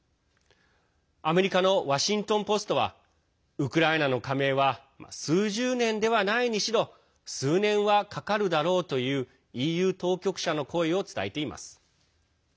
アメリカのワシントン・ポストはウクライナの加盟は数十年ではないにしろ数年はかかるだろうというＥＵ当局者の声を伝えています。